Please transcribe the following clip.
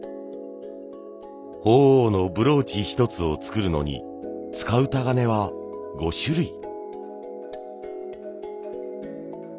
鳳凰のブローチ一つを作るのに使うタガネは５種類。